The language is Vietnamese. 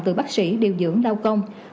từ bác sĩ điều dưỡng lao công